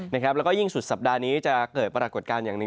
แล้วก็ยิ่งสุดสัปดาห์นี้จะเกิดปรากฏการณ์อย่างหนึ่ง